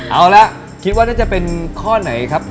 เอาละคิดว่าน่าจะเป็นข้อไหนครับ